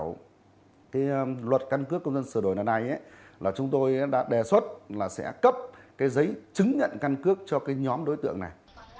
trong những cái dự thảo cái luật căn cước công dân sửa đổi này là chúng tôi đã đề xuất là sẽ cấp cái giấy chứng nhận căn cước cho cái nhóm đối tượng này